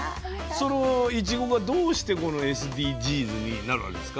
そのいちごがどうしてこのＳＤＧｓになるわけですか？